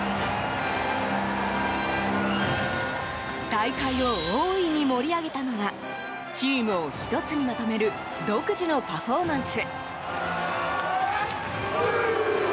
大会を大いに盛り上げたのがチームを１つにまとめる独自のパフォーマンス。